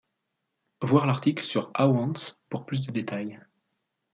Voir l'article sur Awans pour plus de détails.